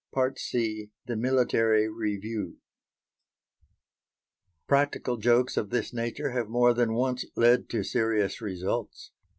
C. THE MILITARY REVIEW Practical jokes of this nature have more than once led to serious results.